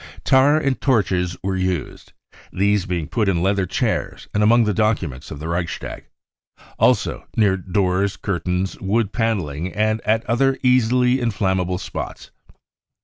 Tar and torches were used, these being put; in leather chairs and among the documents of the Reichstag, also near doors, curtains, wood panelling and at other easily inflammable spots.